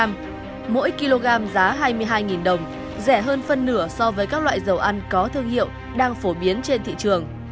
mỗi kg giá hai mươi hai đồng rẻ hơn phân nửa so với các loại dầu ăn có thương hiệu đang phổ biến trên thị trường